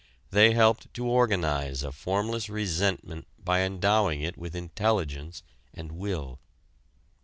They helped to organize a formless resentment by endowing it with intelligence and will.